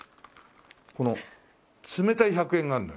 この冷たい１００円があるのよ。